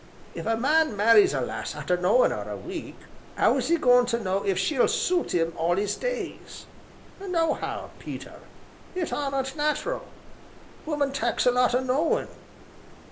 If a man marries a lass arter knowin' 'er a week 'ow is 'e goin' to know if she'll suit 'im all 'is days? Nohow, Peter, it aren't nat'ral woman tak's a lot o' knowin'.